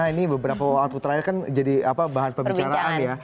ini beberapa waktu terakhir kan jadi bahan pembicaraan ya